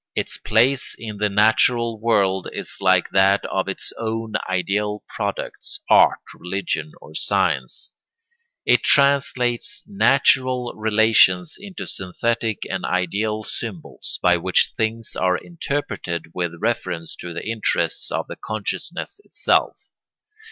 Its place in the natural world is like that of its own ideal products, art, religion, or science; it translates natural relations into synthetic and ideal symbols by which things are interpreted with reference to the interests of consciousness itself.